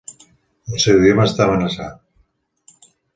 El seu idioma està amenaçat.